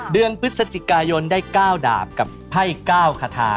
เดือนพฤศจิกายนได้ก้าวดาบกับไพ่ก้าวคาทา